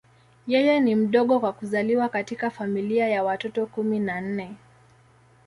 Yeye ni mdogo kwa kuzaliwa katika familia ya watoto kumi na nne.